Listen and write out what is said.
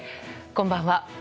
こんばんは。